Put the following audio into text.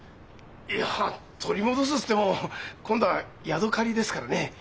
いや取り戻すっつっても今度はヤドカリですからね。